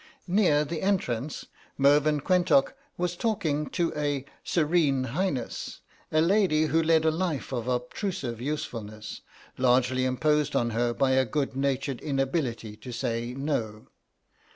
Near the entrance Mervyn Quentock was talking to a Serene Highness, a lady who led a life of obtrusive usefulness, largely imposed on her by a good natured inability to say "No."